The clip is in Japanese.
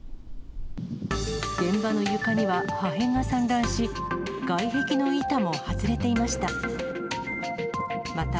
現場の床には破片が散乱し、外壁の板も外れていました。